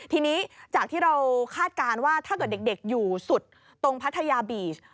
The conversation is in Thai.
ทีนี้จากที่เราคาดการณ์ว่าถ้าเกิดเด็กอยู่สุดตรงพัทยาบีช